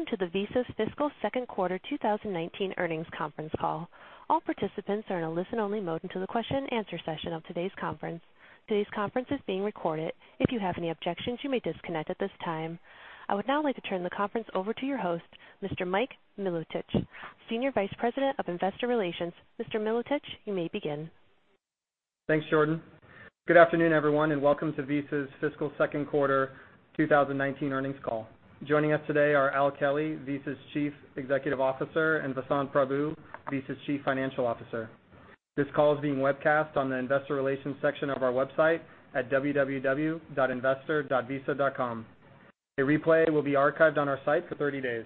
Welcome to the Visa Fiscal Second Quarter 2019 Earnings Conference Call. All participants are in a listen-only mode until the question and answer session of today's conference. Today's conference is being recorded. If you have any objections, you may disconnect at this time. I would now like to turn the conference over to your host, Mr. Mike Milotich, Senior Vice President of Investor Relations. Mr. Milotich, you may begin. Thanks, Jordan. Good afternoon, everyone, and welcome to Visa's Fiscal Second Quarter 2019 Earnings Call. Joining us today are Al Kelly, Visa's Chief Executive Officer, and Vasant Prabhu, Visa's Chief Financial Officer. This call is being webcast on the investor relations section of our website at www.investor.visa.com. A replay will be archived on our site for 30 days.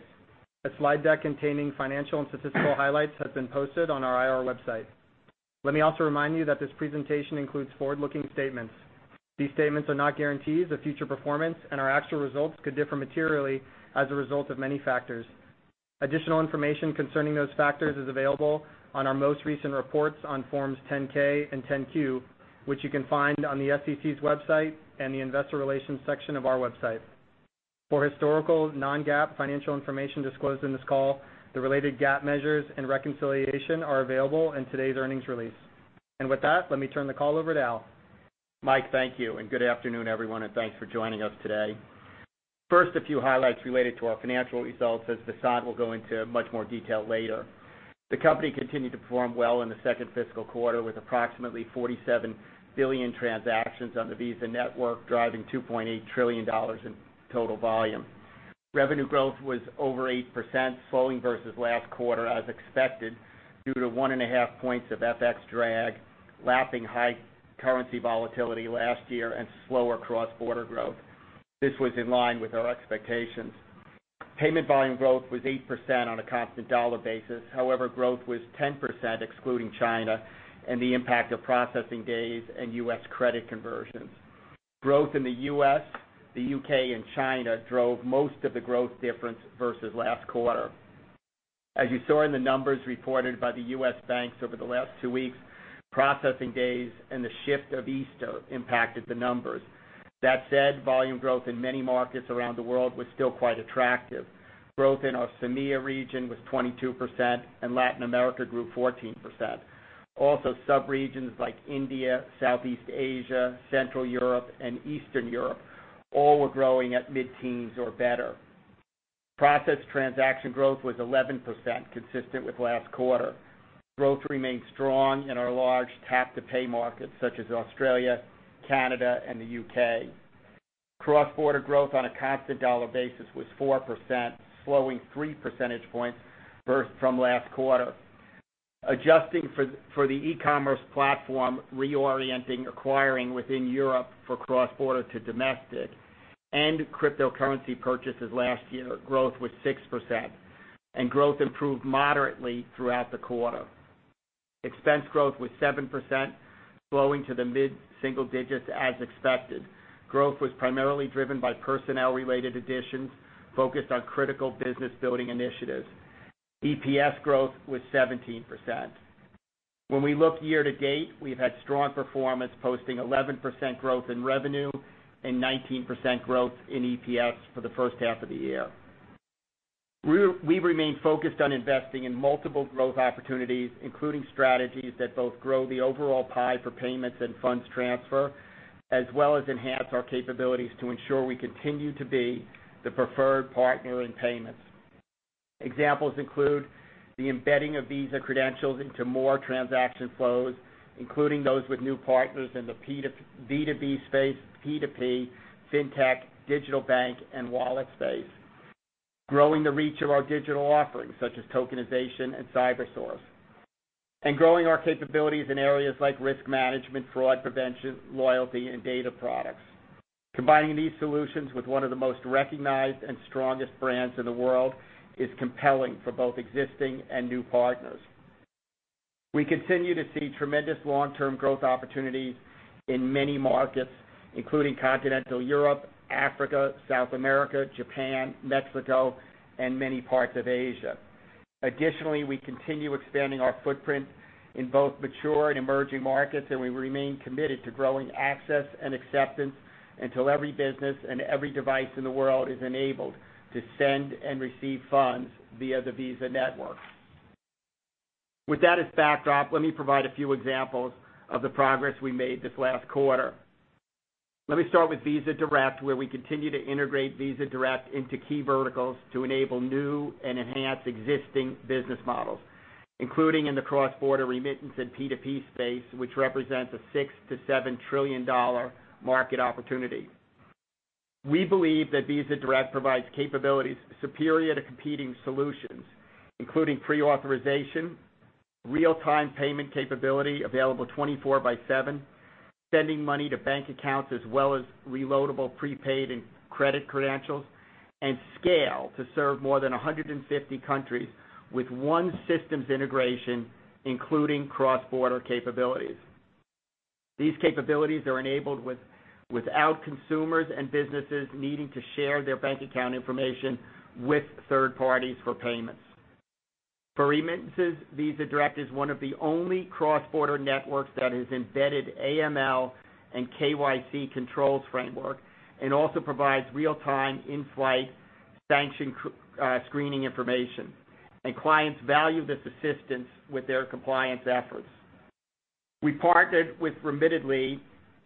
A slide deck containing financial and statistical highlights has been posted on our IR website. Let me also remind you that this presentation includes forward-looking statements. These statements are not guarantees of future performance, and our actual results could differ materially as a result of many factors. Additional information concerning those factors is available on our most recent reports on forms 10-K and 10-Q, which you can find on the SEC's website and the investor relations section of our website. For historical non-GAAP financial information disclosed in this call, the related GAAP measures and reconciliation are available in today's earnings release. With that, let me turn the call over to Al. Mike, thank you, and good afternoon, everyone, and thanks for joining us today. First, a few highlights related to our financial results, as Vasant will go into much more detail later. The company continued to perform well in the second fiscal quarter with approximately 47 billion transactions on the Visa network, driving $2.8 trillion in total volume. Revenue growth was over 8%, slowing versus last quarter as expected, due to one and a half points of FX drag, lapping high currency volatility last year, and slower cross-border growth. This was in line with our expectations. Payment volume growth was 8% on a constant dollar basis. However, growth was 10% excluding China and the impact of processing days and U.S. credit conversions. Growth in the U.S., the U.K., and China drove most of the growth difference versus last quarter. As you saw in the numbers reported by the U.S. banks over the last two weeks, processing days and the shift of Easter impacted the numbers. That said, volume growth in many markets around the world was still quite attractive. Growth in our CEMEA region was 22%, and Latin America grew 14%. Also, sub-regions like India, Southeast Asia, Central Europe, and Eastern Europe all were growing at mid-teens or better. Processed transaction growth was 11%, consistent with last quarter. Growth remained strong in our large Tap to Pay markets such as Australia, Canada, and the U.K. Cross-border growth on a constant dollar basis was 4%, slowing three percentage points from last quarter. Adjusting for the e-commerce platform reorienting, acquiring within Europe for cross-border to domestic, and cryptocurrency purchases last year, growth was 6%, and growth improved moderately throughout the quarter. Expense growth was 7%, slowing to the mid-single digits as expected. Growth was primarily driven by personnel-related additions focused on critical business-building initiatives. EPS growth was 17%. When we look year-to-date, we've had strong performance, posting 11% growth in revenue and 19% growth in EPS for the first half of the year. We remain focused on investing in multiple growth opportunities, including strategies that both grow the overall pie for payments and funds transfer, as well as enhance our capabilities to ensure we continue to be the preferred partner in payments. Examples include the embedding of Visa credentials into more transaction flows, including those with new partners in the B2B space, P2P, fintech, digital bank, and wallet space. Growing the reach of our digital offerings, such as tokenization and Cybersource. And growing our capabilities in areas like risk management, fraud prevention, loyalty, and data products. Combining these solutions with one of the most recognized and strongest brands in the world is compelling for both existing and new partners. We continue to see tremendous long-term growth opportunities in many markets, including continental Europe, Africa, South America, Japan, Mexico, and many parts of Asia. Additionally, we continue expanding our footprint in both mature and emerging markets, and we remain committed to growing access and acceptance until every business and every device in the world is enabled to send and receive funds via the Visa network. With that as backdrop, let me provide a few examples of the progress we made this last quarter. Let me start with Visa Direct, where we continue to integrate Visa Direct into key verticals to enable new and enhanced existing business models, including in the cross-border remittance and P2P space, which represents a $6 trillion-$7 trillion market opportunity. We believe that Visa Direct provides capabilities superior to competing solutions, including pre-authorization, real-time payment capability available 24 by seven, sending money to bank accounts, as well as reloadable prepaid and credit credentials, and scale to serve more than 150 countries with one systems integration, including cross-border capabilities. These capabilities are enabled without consumers and businesses needing to share their bank account information with third parties for payments. For remittances, Visa Direct is one of the only cross-border networks that has embedded AML and KYC controls framework, and also provides real-time, in-flight sanction screening information. And clients value this assistance with their compliance efforts. We partnered with Remitly,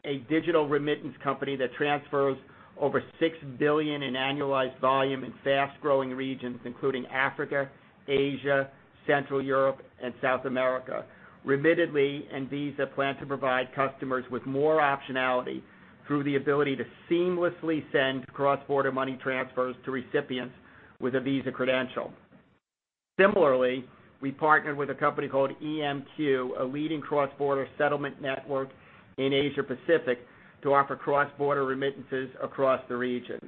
a digital remittance company that transfers over $6 billion in annualized volume in fast-growing regions, including Africa, Asia, Central Europe, and South America. Remitly and Visa plan to provide customers with more optionality through the ability to seamlessly send cross-border money transfers to recipients with a Visa credential. Similarly, we partnered with a company called EMQ, a leading cross-border settlement network in Asia Pacific, to offer cross-border remittances across the region.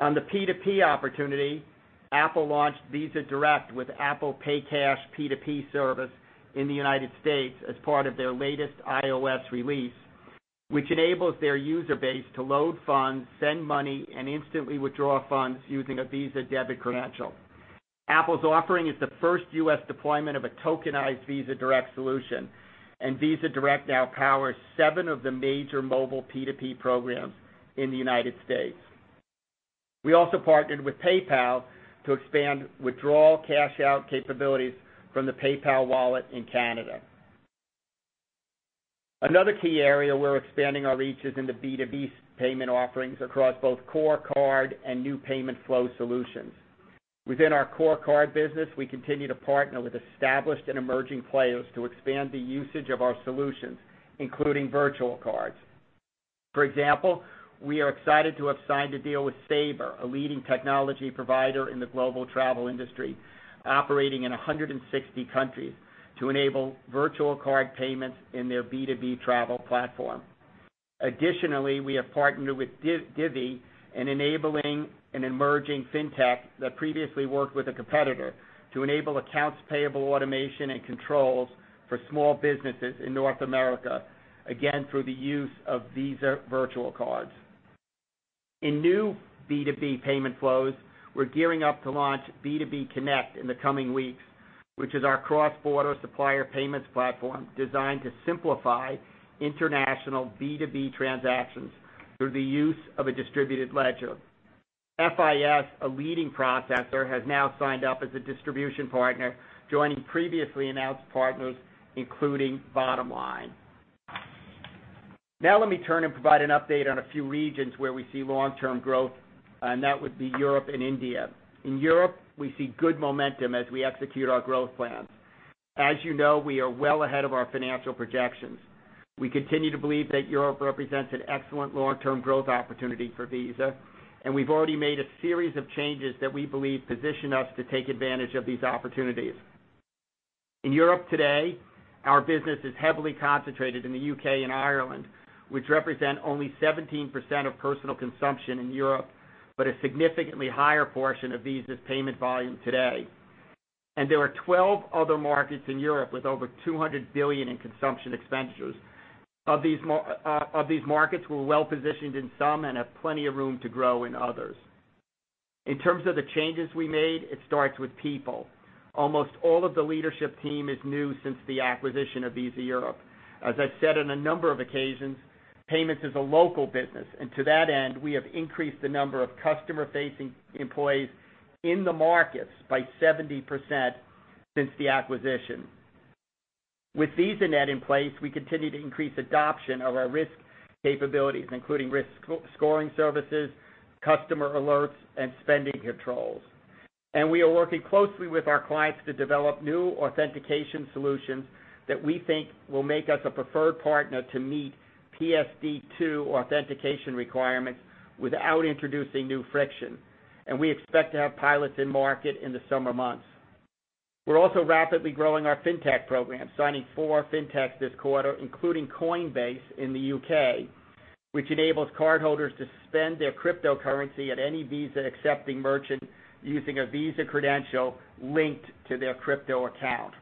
On the P2P opportunity, Apple launched Visa Direct with Apple Pay Cash P2P service in the United States as part of their latest iOS release, which enables their user base to load funds, send money, and instantly withdraw funds using a Visa Debit credential. Apple's offering is the first U.S. deployment of a tokenized Visa Direct solution, and Visa Direct now powers seven of the major mobile P2P programs in the United States. We also partnered with PayPal to expand withdrawal cash out capabilities from the PayPal wallet in Canada. Another key area we're expanding our reach is in the B2B payment offerings across both core card and new payment flow solutions. Within our core card business, we continue to partner with established and emerging players to expand the usage of our solutions, including virtual cards. For example, we are excited to have signed a deal with Sabre, a leading technology provider in the global travel industry, operating in 160 countries, to enable virtual card payments in their B2B travel platform. Additionally, we have partnered with Divvy in enabling an emerging fintech that previously worked with a competitor to enable accounts payable automation and controls for small businesses in North America, again, through the use of Visa virtual cards. In new B2B payment flows, we're gearing up to launch B2B Connect in the coming weeks, which is our cross-border supplier payments platform designed to simplify international B2B transactions through the use of a distributed ledger. FIS, a leading processor, has now signed up as a distribution partner, joining previously announced partners, including Bottomline. Let me turn and provide an update on a few regions where we see long-term growth, and that would be Europe and India. In Europe, we see good momentum as we execute our growth plans. As you know, we are well ahead of our financial projections. We continue to believe that Europe represents an excellent long-term growth opportunity for Visa, and we've already made a series of changes that we believe position us to take advantage of these opportunities. In Europe today, our business is heavily concentrated in the U.K. and Ireland, which represent only 17% of personal consumption in Europe, but a significantly higher portion of Visa's payment volume today. There are 12 other markets in Europe with over $200 billion in consumption expenditures. Of these markets, we're well-positioned in some and have plenty of room to grow in others. In terms of the changes we made, it starts with people. Almost all of the leadership team is new since the acquisition of Visa Europe. As I've said on a number of occasions, payments is a local business, and to that end, we have increased the number of customer-facing employees in the markets by 70% since the acquisition. With VisaNet in place, we continue to increase adoption of our risk capabilities, including risk scoring services, customer alerts, and spending controls. We are working closely with our clients to develop new authentication solutions that we think will make us a preferred partner to meet PSD2 authentication requirements without introducing new friction. We expect to have pilots in market in the summer months. We're also rapidly growing our fintech program, signing four fintechs this quarter, including Coinbase in the U.K., which enables cardholders to spend their cryptocurrency at any Visa-accepting merchant using a Visa credential linked to their crypto account.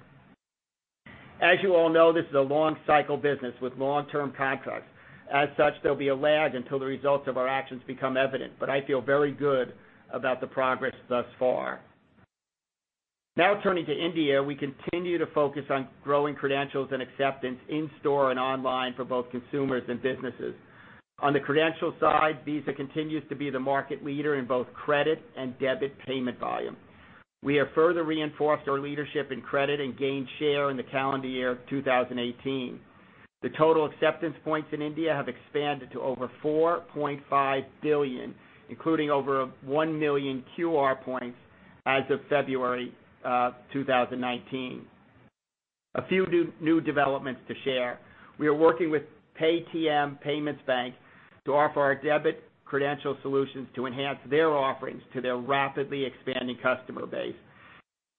As you all know, this is a long-cycle business with long-term contracts. As such, there'll be a lag until the results of our actions become evident, but I feel very good about the progress thus far. Turning to India, we continue to focus on growing credentials and acceptance in-store and online for both consumers and businesses. On the credential side, Visa continues to be the market leader in both credit and debit payment volume. We have further reinforced our leadership in credit and gained share in the calendar year of 2018. The total acceptance points in India have expanded to over 4.5 billion, including over 1 million QR points as of February 2019. A few new developments to share. We are working with Paytm Payments Bank to offer our debit credential solutions to enhance their offerings to their rapidly expanding customer base.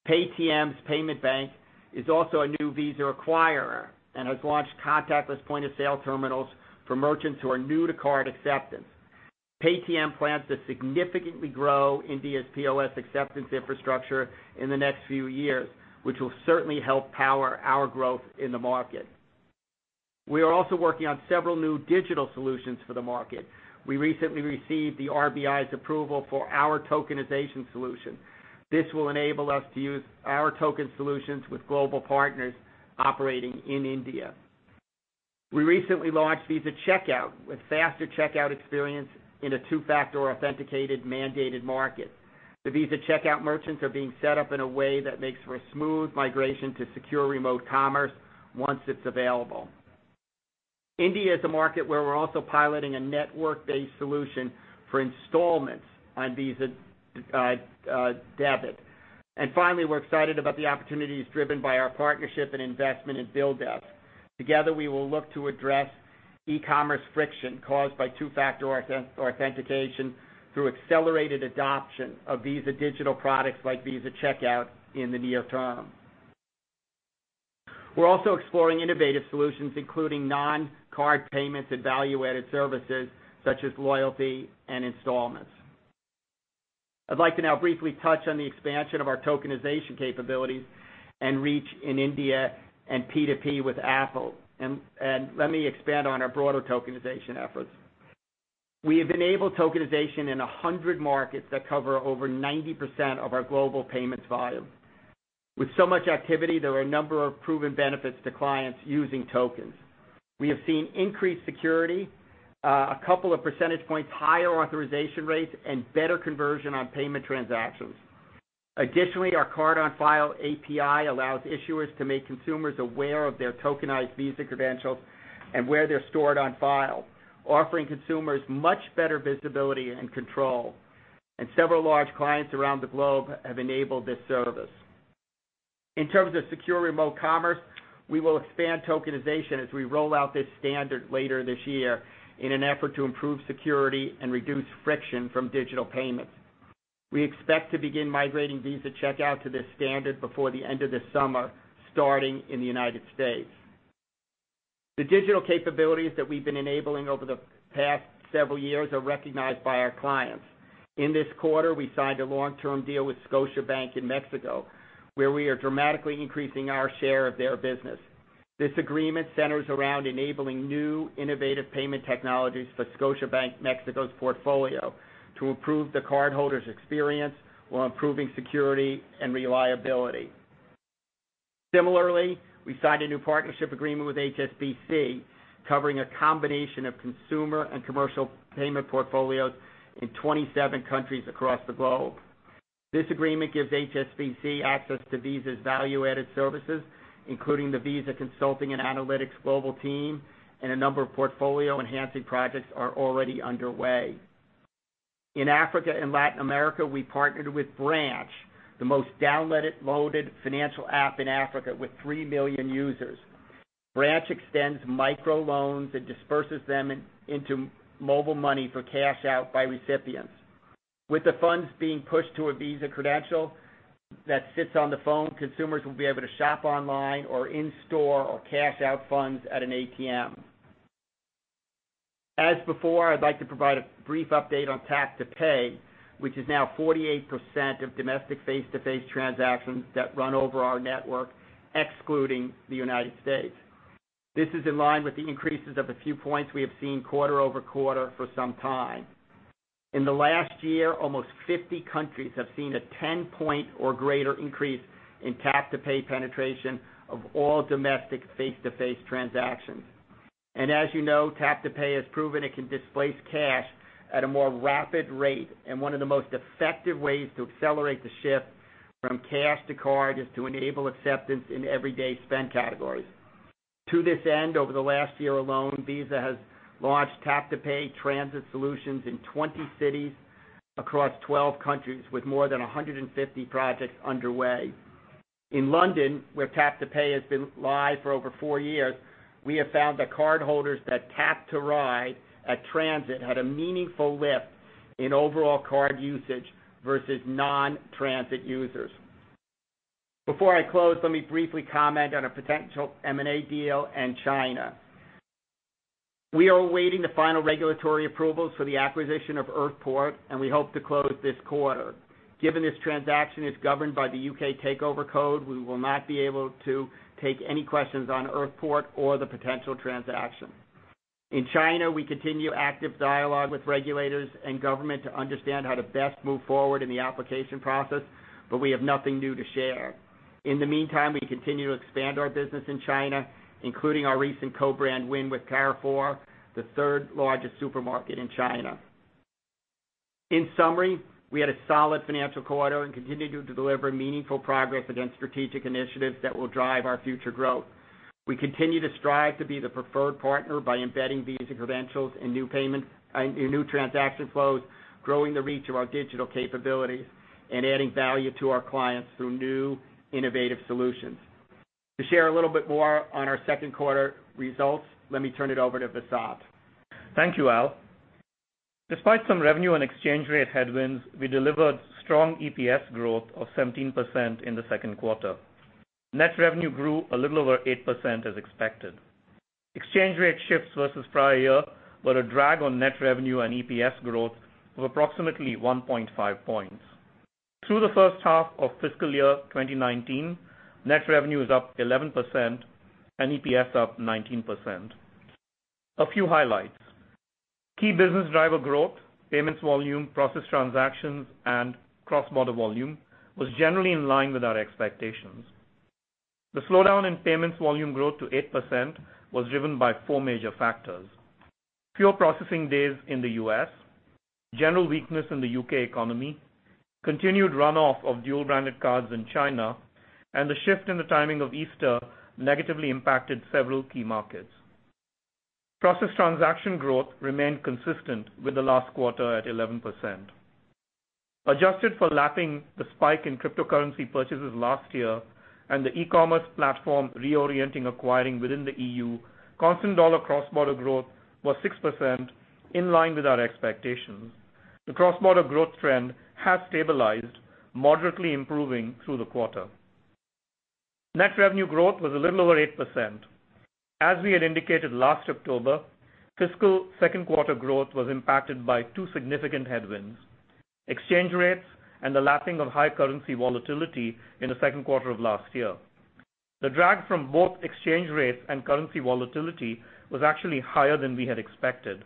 Paytm Payments Bank is also a new Visa acquirer and has launched contactless point-of-sale terminals for merchants who are new to card acceptance. Paytm plans to significantly grow India's POS acceptance infrastructure in the next few years, which will certainly help power our growth in the market. We are also working on several new digital solutions for the market. We recently received the RBI's approval for our tokenization solution. This will enable us to use our token solutions with global partners operating in India. We recently launched Visa Checkout, with faster checkout experience in a two-factor authenticated mandated market. The Visa Checkout merchants are being set up in a way that makes for a smooth migration to Secure Remote Commerce once it's available. India is a market where we're also piloting a network-based solution for installments on Visa Debit. Finally, we're excited about the opportunities driven by our partnership and investment in BillDesk. Together, we will look to address e-commerce friction caused by two-factor authentication through accelerated adoption of Visa digital products like Visa Checkout in the near term. We're also exploring innovative solutions, including non-card payments and value-added services such as loyalty and installments. I'd like to now briefly touch on the expansion of our tokenization capabilities and reach in India and P2P with Apple. Let me expand on our broader tokenization efforts. We have enabled tokenization in 100 markets that cover over 90% of our global payments volume. With so much activity, there are a number of proven benefits to clients using tokens. We have seen increased security, a couple of percentage points, higher authorization rates, and better conversion on payment transactions. Additionally, our Card-on-File API allows issuers to make consumers aware of their tokenized Visa credentials and where they're stored on file, offering consumers much better visibility and control. Several large clients around the globe have enabled this service. In terms of Secure Remote Commerce, we will expand tokenization as we roll out this standard later this year in an effort to improve security and reduce friction from digital payments. We expect to begin migrating Visa Checkout to this standard before the end of this summer, starting in the United States. The digital capabilities that we've been enabling over the past several years are recognized by our clients. In this quarter, we signed a long-term deal with Scotiabank in Mexico, where we are dramatically increasing our share of their business. This agreement centers around enabling new innovative payment technologies for Scotiabank Mexico's portfolio to improve the cardholders' experience while improving security and reliability. Similarly, we signed a new partnership agreement with HSBC covering a combination of consumer and commercial payment portfolios in 27 countries across the globe. This agreement gives HSBC access to Visa's value-added services, including the Visa Consulting and Analytics global team, and a number of portfolio-enhancing projects are already underway. In Africa and Latin America, we partnered with Branch, the most downloaded financial app in Africa with 3 million users. Branch extends microloans and disperses them into mobile money for cash out by recipients. With the funds being pushed to a Visa credential that sits on the phone, consumers will be able to shop online or in store or cash out funds at an ATM. As before, I'd like to provide a brief update on Tap to Pay, which is now 48% of domestic face-to-face transactions that run over our network, excluding the United States. This is in line with the increases of a few points we have seen quarter-over-quarter for some time. In the last year, almost 50 countries have seen a 10-point or greater increase in Tap to Pay penetration of all domestic face-to-face transactions. As you know, Tap to Pay has proven it can displace cash at a more rapid rate, and one of the most effective ways to accelerate the shift from cash to card is to enable acceptance in everyday spend categories. To this end, over the last year alone, Visa has launched Tap to Pay transit solutions in 20 cities across 12 countries, with more than 150 projects underway. In London, where Tap to Pay has been live for over 4 years, we have found that cardholders that tap to ride at transit had a meaningful lift in overall card usage versus non-transit users. Before I close, let me briefly comment on a potential M&A deal and China. We are awaiting the final regulatory approvals for the acquisition of Earthport, and we hope to close this quarter. Given this transaction is governed by the UK Takeover Code, we will not be able to take any questions on Earthport or the potential transaction. In China, we continue active dialogue with regulators and government to understand how to best move forward in the application process. We have nothing new to share. In the meantime, we continue to expand our business in China, including our recent co-brand win with Carrefour, the third largest supermarket in China. In summary, we had a solid financial quarter and continue to deliver meaningful progress against strategic initiatives that will drive our future growth. We continue to strive to be the preferred partner by embedding these credentials in new transaction flows, growing the reach of our digital capabilities, and adding value to our clients through new, innovative solutions. To share a little bit more on our second quarter results, let me turn it over to Vasant. Thank you, Al. Despite some revenue and exchange rate headwinds, we delivered strong EPS growth of 17% in the second quarter. Net revenue grew a little over 8% as expected. Exchange rate shifts versus prior year were a drag on net revenue and EPS growth of approximately 1.5 points. Through the first half of fiscal year 2019, net revenue is up 11% and EPS up 19%. A few highlights. Key business driver growth, payments volume, process transactions, and cross-border volume was generally in line with our expectations. The slowdown in payments volume growth to 8% was driven by four major factors. Fewer processing days in the U.S., general weakness in the U.K. economy, continued runoff of dual-branded cards in China, and the shift in the timing of Easter negatively impacted several key markets. Processed transaction growth remained consistent with the last quarter at 11%. Adjusted for lapping the spike in cryptocurrency purchases last year and the e-commerce platform reorienting acquiring within the EU, constant dollar cross-border growth was 6%, in line with our expectations. The cross-border growth trend has stabilized, moderately improving through the quarter. Net revenue growth was a little over 8%. As we had indicated last October, fiscal second quarter growth was impacted by two significant headwinds, exchange rates and the lapping of high currency volatility in the second quarter of last year. The drag from both exchange rates and currency volatility was actually higher than we had expected.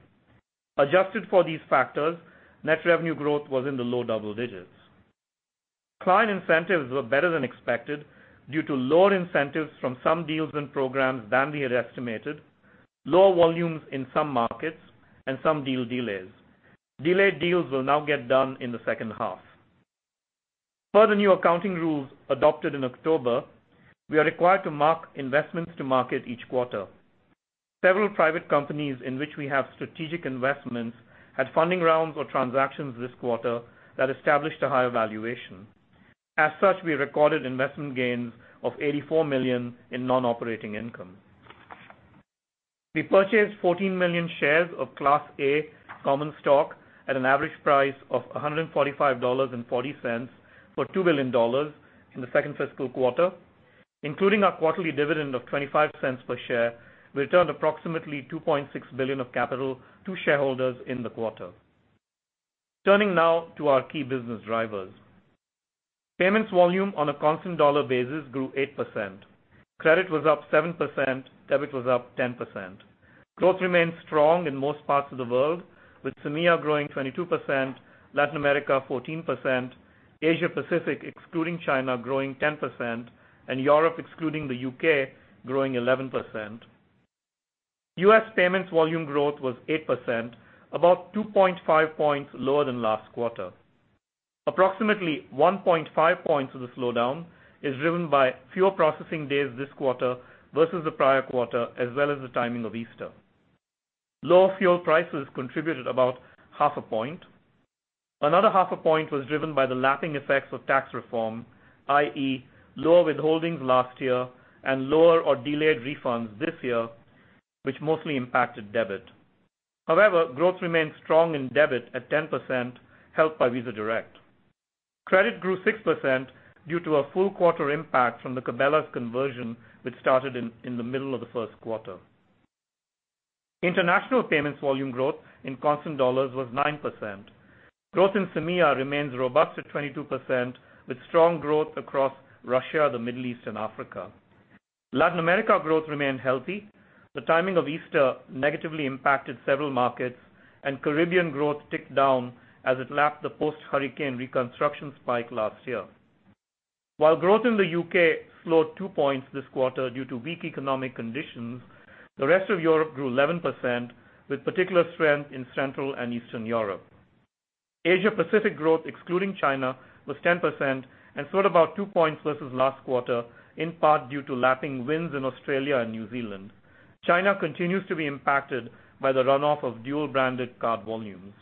Adjusted for these factors, net revenue growth was in the low double digits. Client incentives were better than expected due to lower incentives from some deals and programs than we had estimated, lower volumes in some markets, and some deal delays. Delayed deals will now get done in the second half. Per the new accounting rules adopted in October, we are required to mark investments to market each quarter. Several private companies in which we have strategic investments had funding rounds or transactions this quarter that established a higher valuation. As such, we recorded investment gains of $84 million in non-operating income. We purchased 14 million shares of Class A common stock at an average price of $145.40 for $2 billion in the second fiscal quarter. Including our quarterly dividend of $0.25 per share, we returned approximately $2.6 billion of capital to shareholders in the quarter. Turning now to our key business drivers. Payments volume on a constant dollar basis grew 8%. Credit was up 7%, debit was up 10%. Growth remained strong in most parts of the world, with MEA growing 22%, Latin America 14%, Asia Pacific, excluding China, growing 10%, and Europe, excluding the U.K., growing 11%. U.S. payments volume growth was 8%, about 2.5 points lower than last quarter. Approximately 1.5 points of the slowdown is driven by fewer processing days this quarter versus the prior quarter, as well as the timing of Easter. Lower fuel prices contributed about half a point. Another half a point was driven by the lapping effects of tax reform, i.e., lower withholdings last year and lower or delayed refunds this year, which mostly impacted debit. However, growth remained strong in debit at 10%, helped by Visa Direct. Credit grew 6% due to a full quarter impact from the Cabela's conversion, which started in the middle of the first quarter. International payments volume growth in constant dollars was 9%. Growth in MEA remains robust at 22%, with strong growth across Russia, the Middle East, and Africa. Latin America growth remained healthy. The timing of Easter negatively impacted several markets, and Caribbean growth ticked down as it lapped the post-hurricane reconstruction spike last year. While growth in the U.K. slowed two points this quarter due to weak economic conditions, the rest of Europe grew 11%, with particular strength in Central and Eastern Europe. Asia Pacific growth, excluding China, was 10% and slowed about two points versus last quarter, in part due to lapping wins in Australia and New Zealand. China continues to be impacted by the runoff of dual-branded card volumes.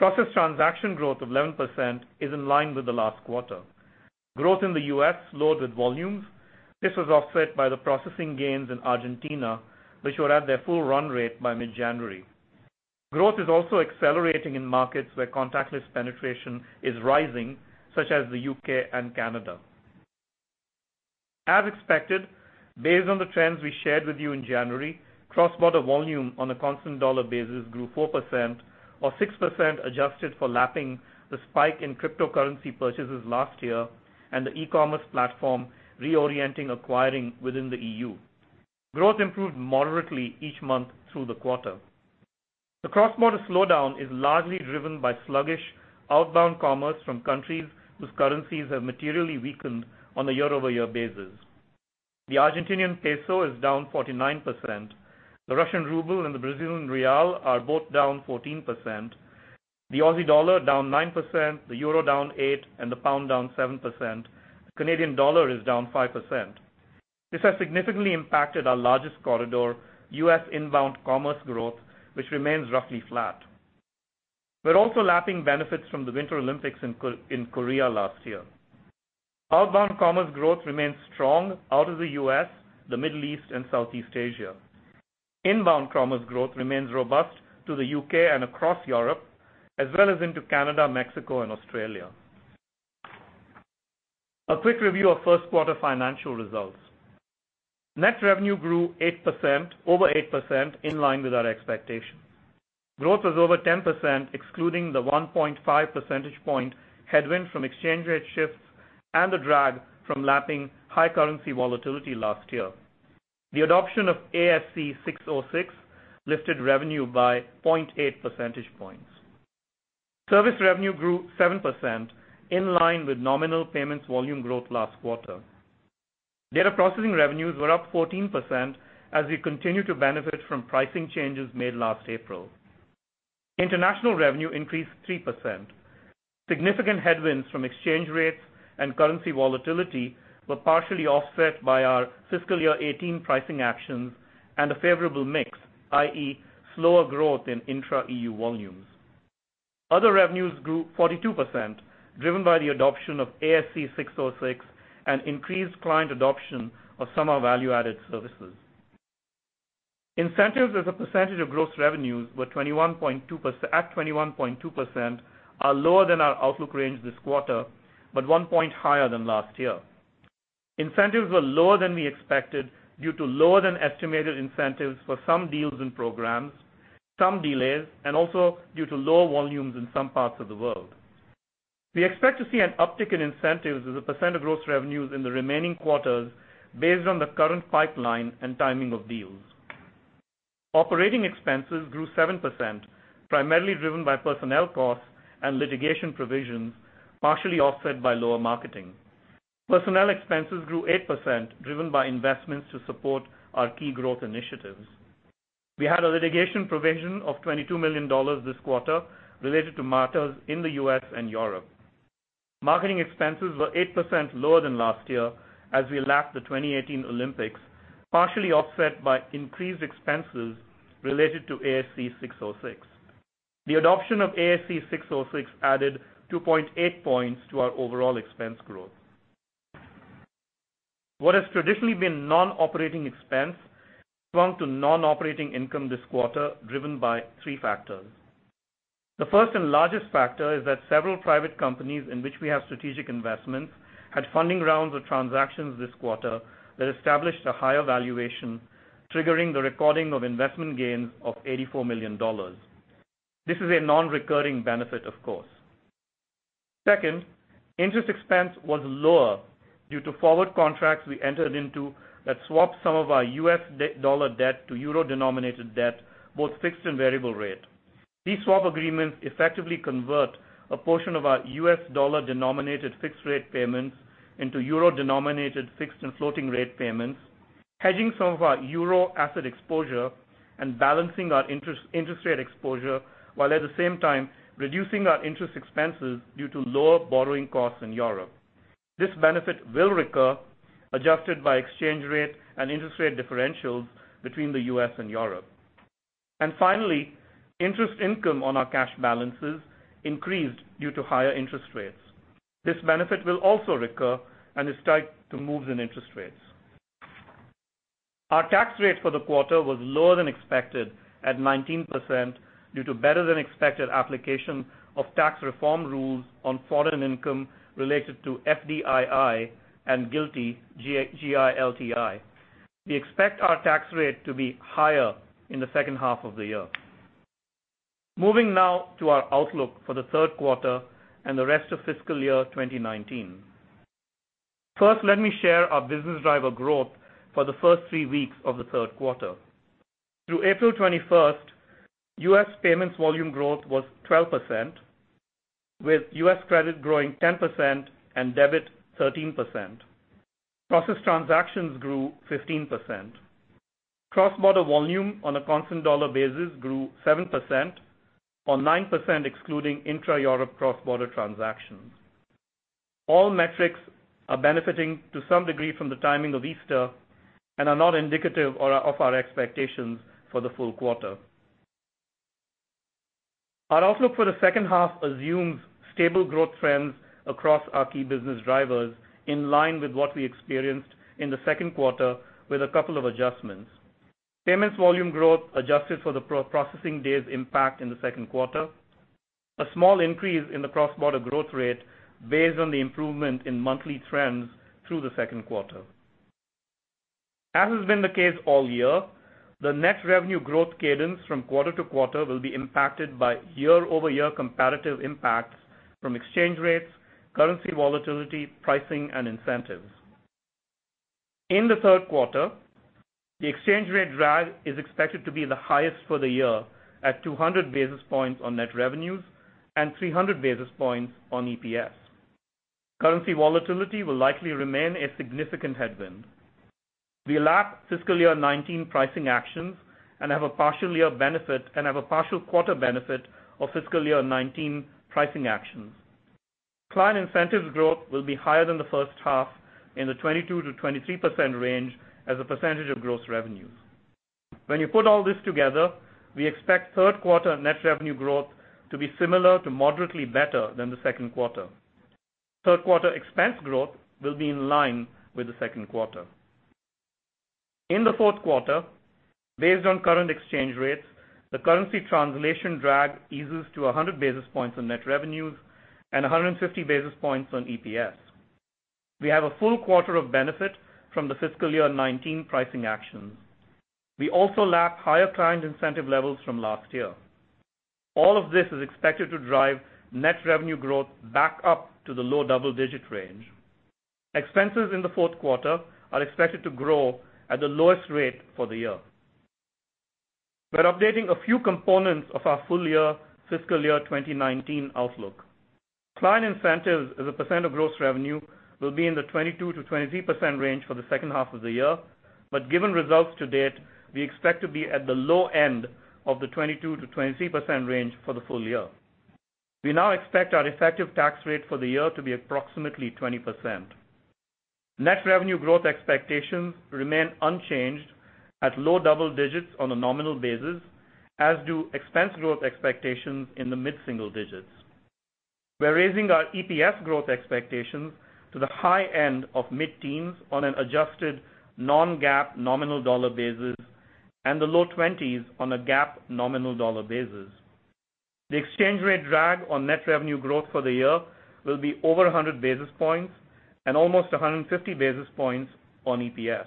Processed transaction growth of 11% is in line with the last quarter. Growth in the U.S. slowed with volumes. This was offset by the processing gains in Argentina, which will be at their full run rate by mid-January. Growth is also accelerating in markets where contactless penetration is rising, such as the U.K. and Canada. As expected, based on the trends we shared with you in January, cross-border volume on a constant dollar basis grew 4%, or 6% adjusted for lapping the spike in cryptocurrency purchases last year and the e-commerce platform reorienting acquiring within the EU. Growth improved moderately each month through the quarter. The cross-border slowdown is largely driven by sluggish outbound commerce from countries whose currencies have materially weakened on a year-over-year basis. The Argentinian peso is down 49%. The Russian ruble and the Brazilian real are both down 14%. The Aussie dollar down 9%, the euro down 8%, and the pound down 7%. The Canadian dollar is down 5%. This has significantly impacted our largest corridor, U.S. inbound commerce growth, which remains roughly flat. We're also lapping benefits from the Winter Olympics in Korea last year. Outbound commerce growth remains strong out of the U.S., the Middle East, and Southeast Asia. Inbound commerce growth remains robust to the U.K. and across Europe, as well as into Canada, Mexico, and Australia. A quick review of first quarter financial results. Net revenue grew over 8%, in line with our expectation. Growth was over 10%, excluding the 1.5 percentage point headwind from exchange rate shifts and the drag from lapping high currency volatility last year. The adoption of ASC 606 lifted revenue by 0.8 percentage points. Service revenue grew 7%, in line with nominal payments volume growth last quarter. Data processing revenues were up 14% as we continue to benefit from pricing changes made last April. International revenue increased 3%. Significant headwinds from exchange rates and currency volatility were partially offset by our fiscal year 2018 pricing actions and a favorable mix, i.e., slower growth in intra-EU volumes. Other revenues grew 42%, driven by the adoption of ASC 606 and increased client adoption of some of our value-added services. Incentives as a percentage of gross revenues were at 21.2%, are lower than our outlook range this quarter, but one point higher than last year. Incentives were lower than we expected due to lower than estimated incentives for some deals and programs, some delays, and also due to lower volumes in some parts of the world. We expect to see an uptick in incentives as a percent of gross revenues in the remaining quarters based on the current pipeline and timing of deals. Operating expenses grew 7%, primarily driven by personnel costs and litigation provisions, partially offset by lower marketing. Personnel expenses grew 8%, driven by investments to support our key growth initiatives. We had a litigation provision of $22 million this quarter related to matters in the U.S. and Europe. Marketing expenses were 8% lower than last year as we lapped the 2018 Olympics, partially offset by increased expenses related to ASC 606. The adoption of ASC 606 added 2.8 points to our overall expense growth. What has traditionally been non-operating expense swung to non-operating income this quarter, driven by three factors. The first and largest factor is that several private companies in which we have strategic investments had funding rounds or transactions this quarter that established a higher valuation, triggering the recording of investment gains of $84 million. This is a non-recurring benefit, of course. Second, interest expense was lower due to forward contracts we entered into that swapped some of our U.S. dollar debt to euro-denominated debt, both fixed and variable rate. These swap agreements effectively convert a portion of our U.S. dollar-denominated fixed rate payments into euro-denominated fixed and floating rate payments, hedging some of our euro asset exposure and balancing our interest rate exposure, while at the same time reducing our interest expenses due to lower borrowing costs in Europe. Finally, interest income on our cash balances increased due to higher interest rates. This benefit will also recur and is tied to moves in interest rates. Our tax rate for the quarter was lower than expected at 19% due to better than expected application of tax reform rules on foreign income related to FDII and GILTI, G-I-L-T-I. We expect our tax rate to be higher in the second half of the year. Moving now to our outlook for the third quarter and the rest of fiscal year 2019. First, let me share our business driver growth for the first three weeks of the third quarter. Through April 21st, U.S. payments volume growth was 12%, with U.S. credit growing 10% and debit 13%. Processed transactions grew 15%. Cross-border volume on a constant dollar basis grew 7%, or 9% excluding intra-Europe cross-border transactions. All metrics are benefiting to some degree from the timing of Easter and are not indicative of our expectations for the full quarter. Our outlook for the second half assumes stable growth trends across our key business drivers in line with what we experienced in the second quarter, with a couple of adjustments. Payments volume growth adjusted for the processing days impact in the second quarter. A small increase in the cross-border growth rate based on the improvement in monthly trends through the second quarter. As has been the case all year, the net revenue growth cadence from quarter to quarter will be impacted by year-over-year comparative impacts from exchange rates, currency volatility, pricing, and incentives. In the third quarter, the exchange rate drag is expected to be the highest for the year at 200 basis points on net revenues and 300 basis points on EPS. Currency volatility will likely remain a significant headwind. We lap fiscal year 2019 pricing actions and have a partial quarter benefit of fiscal year 2019 pricing actions. Client incentives growth will be higher than the first half in the 22%-23% range as a percentage of gross revenues. You put all this together, we expect third quarter net revenue growth to be similar to moderately better than the second quarter. Third quarter expense growth will be in line with the second quarter. In the fourth quarter, based on current exchange rates, the currency translation drag eases to 100 basis points on net revenues and 150 basis points on EPS. We have a full quarter of benefit from the fiscal year 2019 pricing actions. We also lap higher client incentive levels from last year. All of this is expected to drive net revenue growth back up to the low double-digit range. Expenses in the fourth quarter are expected to grow at the lowest rate for the year. We're updating a few components of our full-year fiscal year 2019 outlook. Client incentives as a percent of gross revenue will be in the 22%-23% range for the second half of the year, given results to date, we expect to be at the low end of the 22%-23% range for the full year. We now expect our effective tax rate for the year to be approximately 20%. Net revenue growth expectations remain unchanged at low double digits on a nominal basis, as do expense growth expectations in the mid-single digits. We're raising our EPS growth expectations to the high end of mid-teens on an adjusted non-GAAP nominal dollar basis and the low 20s on a GAAP nominal dollar basis. The exchange rate drag on net revenue growth for the year will be over 100 basis points and almost 150 basis points on EPS.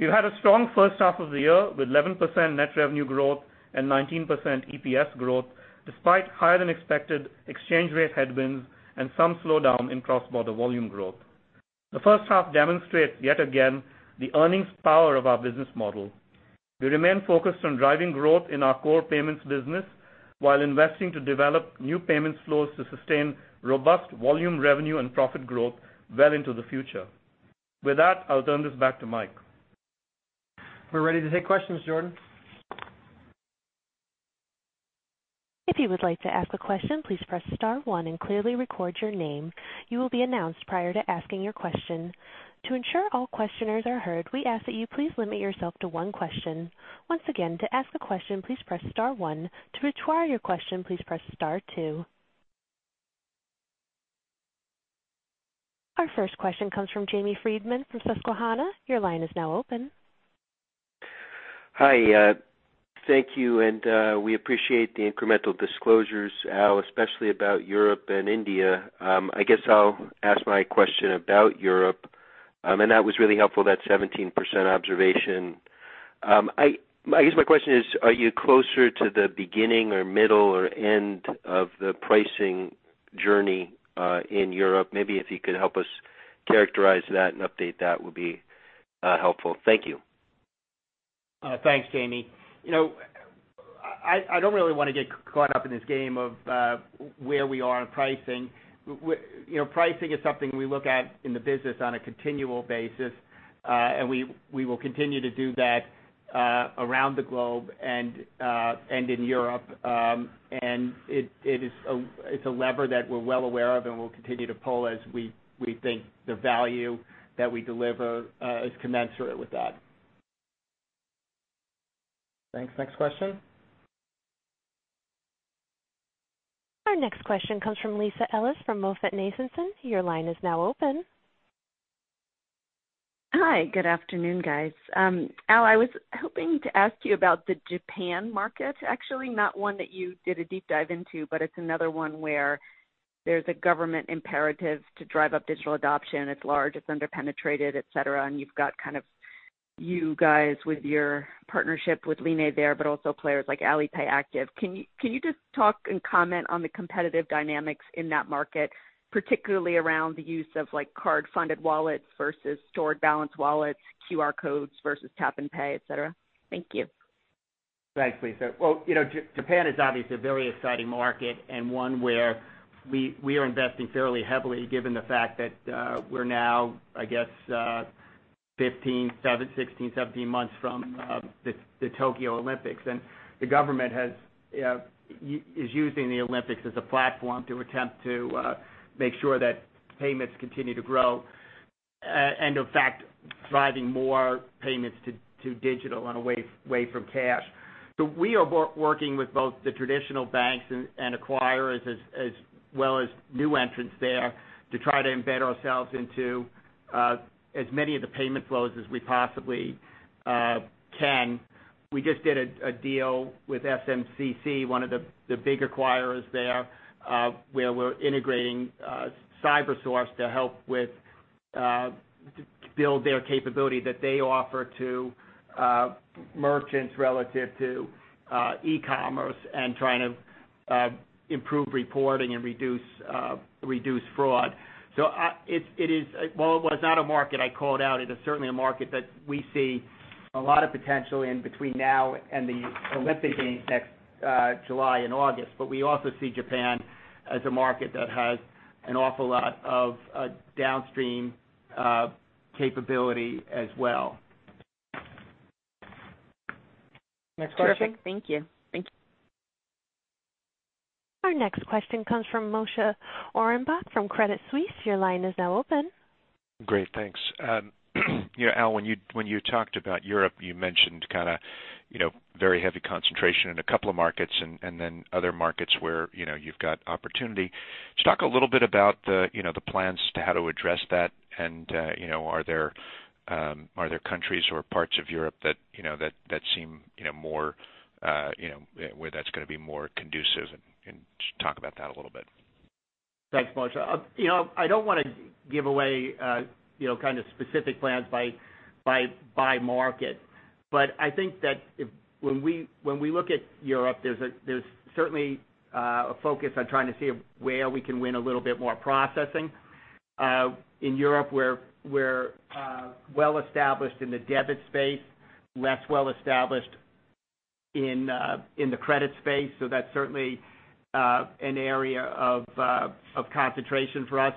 We've had a strong first half of the year with 11% net revenue growth and 19% EPS growth, despite higher-than-expected exchange rate headwinds and some slowdown in cross-border volume growth. The first half demonstrates yet again the earnings power of our business model. We remain focused on driving growth in our core payments business while investing to develop new payments flows to sustain robust volume revenue and profit growth well into the future. With that, I'll turn this back to Mike. We're ready to take questions, Jordan. If you would like to ask a question, please press star one and clearly record your name. You will be announced prior to asking your question. To ensure all questioners are heard, we ask that you please limit yourself to one question. Once again, to ask a question, please press star one. To withdraw your question, please press star two. Our first question comes from Jamie Friedman from Susquehanna. Your line is now open. Hi. Thank you, and we appreciate the incremental disclosures, Al, especially about Europe and India. I guess I'll ask my question about Europe, and that was really helpful, that 17% observation. I guess my question is, are you closer to the beginning or middle or end of the pricing journey in Europe? Maybe if you could help us characterize that and update that would be helpful. Thank you. Thanks, Jamie. I don't really want to get caught up in this game of where we are on pricing. Pricing is something we look at in the business on a continual basis, and we will continue to do that around the globe and in Europe. It's a lever that we're well aware of and we'll continue to pull as we think the value that we deliver is commensurate with that. Thanks. Next question. Our next question comes from Lisa Ellis from MoffettNathanson. Your line is now open. Hi. Good afternoon, guys. Al, I was hoping to ask you about the Japan market, actually not one that you did a deep dive into, it's another one where there's a government imperative to drive up digital adoption. It's large, it's under-penetrated, et cetera, you've got you guys with your partnership with Line there, also players like Alipay active. Can you just talk and comment on the competitive dynamics in that market, particularly around the use of card-funded wallets versus stored balance wallets, QR codes versus Tap to Pay, et cetera? Thank you. Thanks, Lisa. Well, Japan is obviously a very exciting market and one where we are investing fairly heavily given the fact that we're now, I guess, 15, 16, 17 months from the Tokyo Olympics. The government is using the Olympics as a platform to attempt to make sure that payments continue to grow, in fact, driving more payments to digital and away from cash. We are working with both the traditional banks and acquirers as well as new entrants there to try to embed ourselves into as many of the payment flows as we possibly can. We just did a deal with SMCC, one of the big acquirers there, where we're integrating Cybersource to help build their capability that they offer to merchants relative to e-commerce and trying to improve reporting and reduce fraud. While it was not a market I called out, it is certainly a market that we see a lot of potential in between now and the Olympic Games next July and August. We also see Japan as a market that has an awful lot of downstream capability as well. Terrific. Thank you. Our next question comes from Moshe Orenbuch from Credit Suisse. Your line is now open. Great. Thanks. Al, when you talked about Europe, you mentioned very heavy concentration in a couple of markets and then other markets where you've got opportunity. Just talk a little bit about the plans to how to address that and Are there countries or parts of Europe that seem where that's going to be more conducive and just talk about that a little bit. Thanks, Moshe. I don't want to give away specific plans by market. I think that when we look at Europe, there's certainly a focus on trying to see where we can win a little bit more processing. In Europe, we're well established in the debit space, less well established in the credit space. That's certainly an area of concentration for us.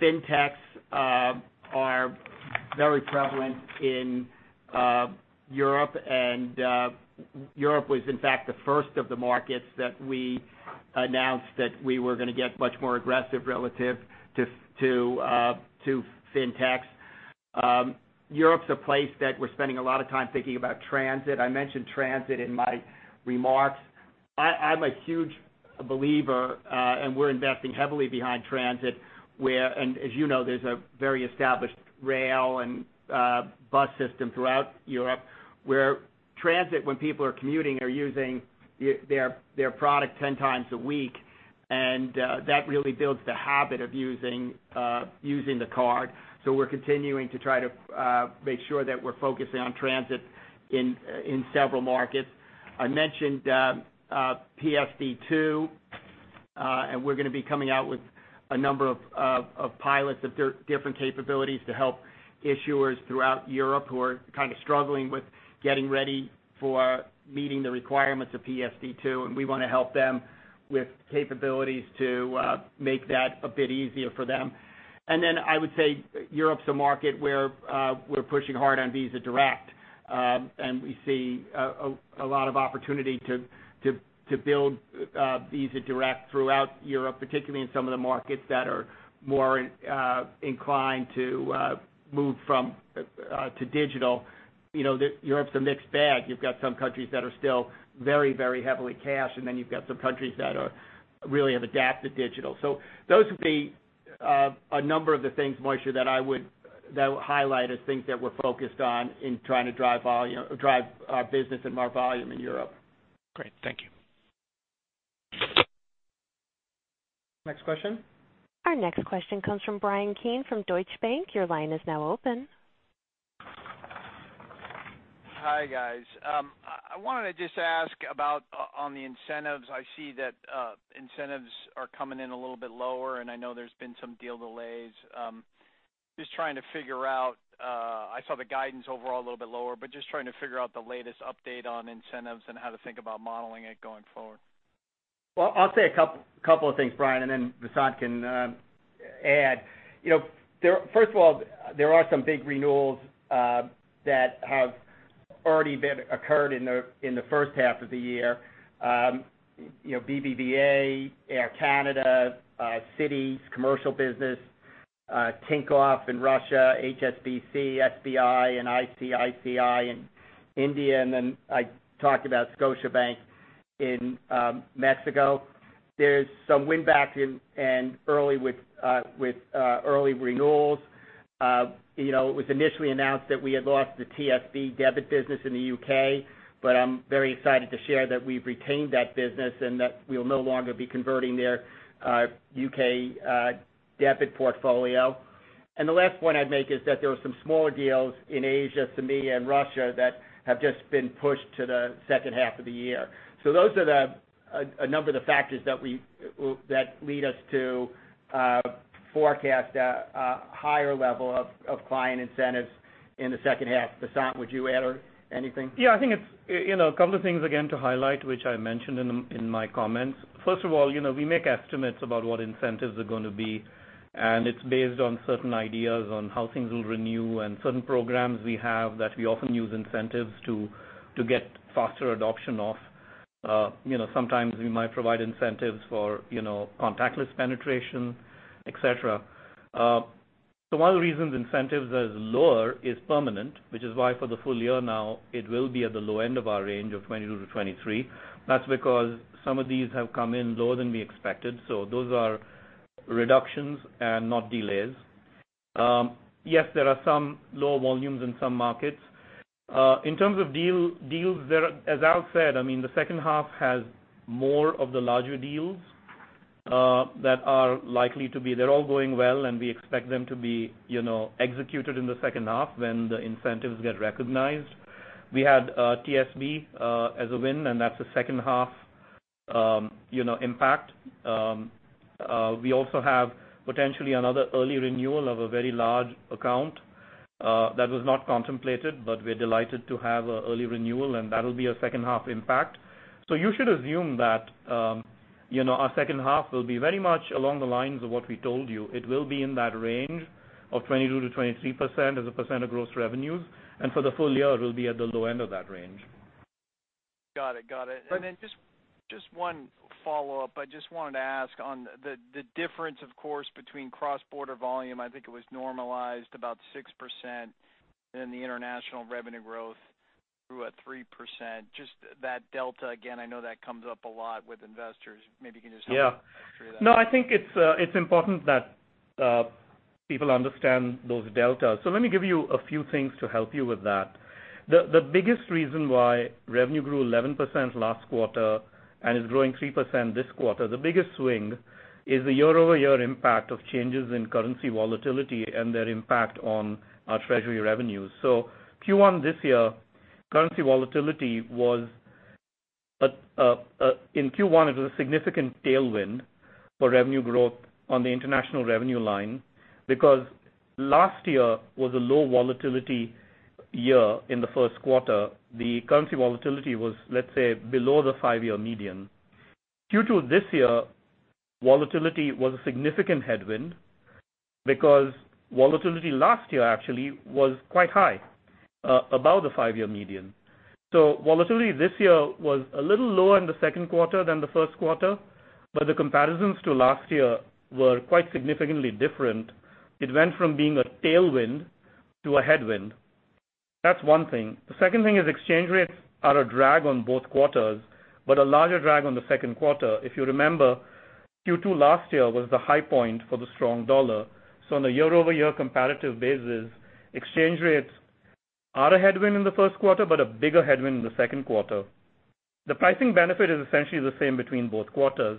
Fintechs are very prevalent in Europe was, in fact, the first of the markets that we announced that we were going to get much more aggressive relative to fintechs. Europe's a place that we're spending a lot of time thinking about transit. I mentioned transit in my remarks. I'm a huge believer, we're investing heavily behind transit, and as you know, there's a very established rail and bus system throughout Europe, where transit, when people are commuting, are using their product 10 times a week, and that really builds the habit of using the card. We're continuing to try to make sure that we're focusing on transit in several markets. I mentioned PSD2, we're going to be coming out with a number of pilots of different capabilities to help issuers throughout Europe who are kind of struggling with getting ready for meeting the requirements of PSD2, and we want to help them with capabilities to make that a bit easier for them. Then I would say Europe's a market where we're pushing hard on Visa Direct. We see a lot of opportunity to build Visa Direct throughout Europe, particularly in some of the markets that are more inclined to move to digital. Europe's a mixed bag. You've got some countries that are still very heavily cash, and then you've got some countries that really have adapted digital. Those would be a number of the things, Moshe, that I would highlight as things that we're focused on in trying to drive our business and more volume in Europe. Great. Thank you. Next question. Our next question comes from Bryan Keane from Deutsche Bank. Your line is now open. Hi, guys. I wanted to just ask about on the incentives. I see that incentives are coming in a little bit lower. I know there's been some deal delays. I saw the guidance overall a little bit lower, just trying to figure out the latest update on incentives and how to think about modeling it going forward. Well, I'll say a couple of things, Bryan, then Vasant can add. First of all, there are some big renewals that have already occurred in the first half of the year. BBVA, Air Canada, Citi's commercial business, Tinkoff in Russia, HSBC, SBI, and ICICI in India, then I talked about Scotiabank in Mexico. There's some wind back with early renewals. It was initially announced that we had lost the TSB debit business in the U.K., I'm very excited to share that we've retained that business and that we'll no longer be converting their U.K. debit portfolio. The last point I'd make is that there were some smaller deals in Asia, MEA, and Russia that have just been pushed to the second half of the year. Those are a number of the factors that lead us to forecast a higher level of client incentives in the second half. Vasant, would you add anything? I think a couple of things again to highlight, which I mentioned in my comments. First of all, we make estimates about what incentives are going to be, and it's based on certain ideas on how things will renew and certain programs we have that we often use incentives to get faster adoption of. Sometimes we might provide incentives for contactless penetration, et cetera. One of the reasons incentives is lower is permanent, which is why for the full year now, it will be at the low end of our range of 22%-23%. That's because some of these have come in lower than we expected. Those are reductions and not delays. Yes, there are some lower volumes in some markets. In terms of deals, as Al said, the second half has more of the larger deals that are likely to be. They're all going well, and we expect them to be executed in the second half when the incentives get recognized. We had TSB as a win, and that's a second half impact. We also have potentially another early renewal of a very large account that was not contemplated, but we're delighted to have an early renewal, and that'll be a second half impact. You should assume that our second half will be very much along the lines of what we told you. It will be in that range of 22%-23% as a percent of gross revenues. For the full year, it will be at the low end of that range. Got it. Just one follow-up. I just wanted to ask on the difference, of course, between cross-border volume, I think it was normalized about 6% in the international revenue growth grew at 3%. Just that delta again. I know that comes up a lot with investors. Maybe you can just help- Yeah us through that. I think it's important that people understand those deltas. Let me give you a few things to help you with that. The biggest reason why revenue grew 11% last quarter and is growing 3% this quarter, the biggest swing is the year-over-year impact of changes in currency volatility and their impact on our treasury revenues. Q1 this year, currency volatility in Q1, it was a significant tailwind for revenue growth on the international revenue line because last year was a low volatility year in the first quarter. The currency volatility was, let's say, below the five-year median. Q2 this year, volatility was a significant headwind because volatility last year actually was quite high, above the five-year median. Volatility this year was a little lower in the second quarter than the first quarter, but the comparisons to last year were quite significantly different. It went from being a tailwind to a headwind. That's one thing. The second thing is exchange rates are a drag on both quarters, but a larger drag on the second quarter. If you remember, Q2 last year was the high point for the strong dollar. On a year-over-year comparative basis, exchange rates are a headwind in the first quarter, but a bigger headwind in the second quarter. The pricing benefit is essentially the same between both quarters.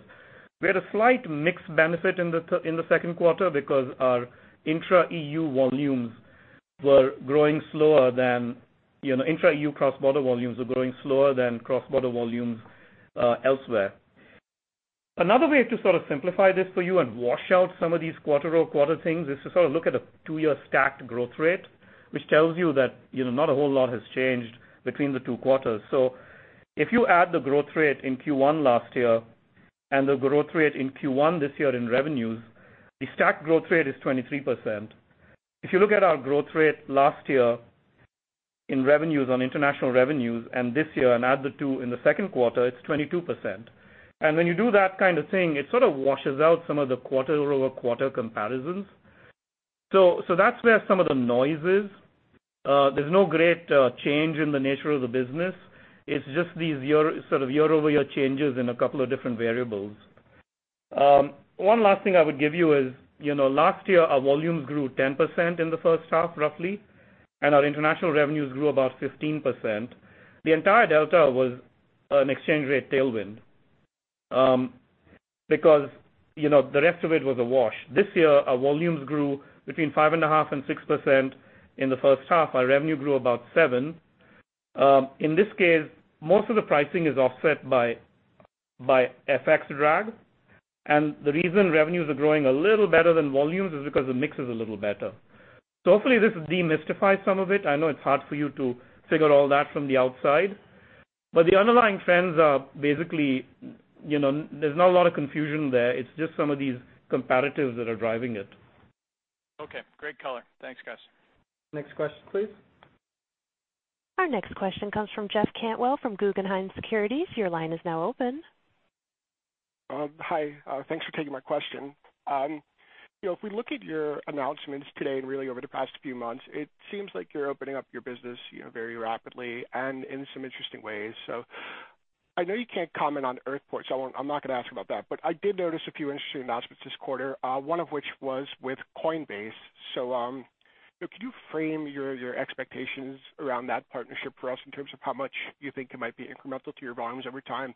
We had a slight mix benefit in the second quarter because our intra-EU cross-border volumes were growing slower than cross-border volumes elsewhere. Another way to sort of simplify this for you and wash out some of these quarter-over-quarter things is to sort of look at a two-year stacked growth rate, which tells you that not a whole lot has changed between the two quarters. If you add the growth rate in Q1 last year and the growth rate in Q1 this year in revenues, the stacked growth rate is 23%. If you look at our growth rate last year in revenues on international revenues and this year and add the two in the second quarter, it's 22%. When you do that kind of thing, it sort of washes out some of the quarter-over-quarter comparisons. That's where some of the noise is. There's no great change in the nature of the business. It's just these sort of year-over-year changes in a couple of different variables. One last thing I would give you is, last year our volumes grew 10% in the first half, roughly. Our international revenues grew about 15%. The entire delta was an exchange rate tailwind because the rest of it was a wash. This year, our volumes grew between five and a half and 6% in the first half. Our revenue grew about [7%]. In this case, most of the pricing is offset by FX drag. The reason revenues are growing a little better than volumes is because the mix is a little better. Hopefully this demystifies some of it. I know it's hard for you to figure all that from the outside. The underlying trends are basically there's not a lot of confusion there. It's just some of these comparatives that are driving it. Okay. Great color. Thanks, guys. Next question, please. Our next question comes from Jeff Cantwell from Guggenheim Securities. Your line is now open. Hi. Thanks for taking my question. If we look at your announcements today and really over the past few months, it seems like you're opening up your business very rapidly and in some interesting ways. I know you can't comment on Earthport, so I'm not going to ask about that. I did notice a few interesting announcements this quarter, one of which was with Coinbase. Can you frame your expectations around that partnership for us in terms of how much you think it might be incremental to your volumes every time?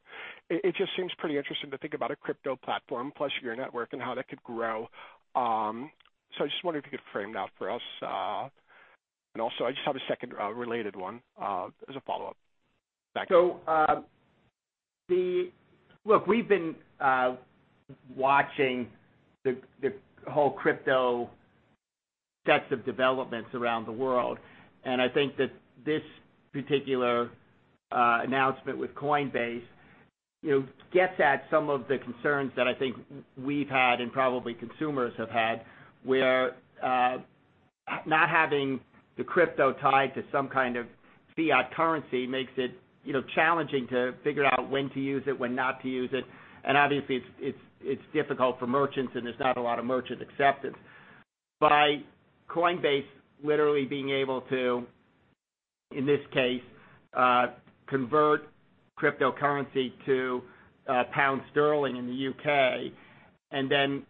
It just seems pretty interesting to think about a crypto platform plus your network and how that could grow. I just wondered if you could frame that for us. Also, I just have a second related one as a follow-up. Thanks. Look, we've been watching the whole crypto set of developments around the world. I think that this particular announcement with Coinbase gets at some of the concerns that I think we've had and probably consumers have had, where not having the crypto tied to some kind of fiat currency makes it challenging to figure out when to use it, when not to use it. Obviously it's difficult for merchants and there's not a lot of merchant acceptance. By Coinbase literally being able to, in this case, convert cryptocurrency to pound sterling in the U.K. and then